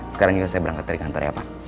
sekarang juga saya berangkat dari kantor ya pak